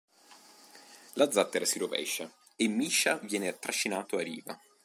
La zattera si rovescia e Mischa viene trascinato a riva.